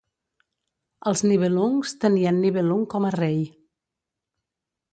Els Nibelungs tenien Nibelung com a rei.